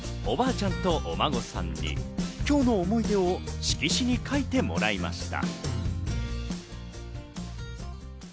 ちゃんとお孫さんに今日の思いを色紙に描いてもらいました。